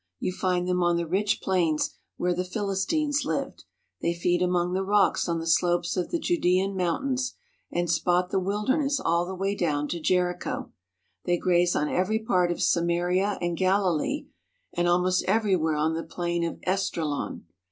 You find them on the rich plains where the Philistines lived; they feed among the rocks on the slopes of the Judean mountains, and spot the wilderness all the way down to Jericho; they graze on every part of Samaria and Galilee and almost everywhere on the plain of Esdraelon.